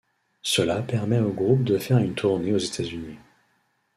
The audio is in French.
Cela permet au groupe de faire une tournée aux États-Unis.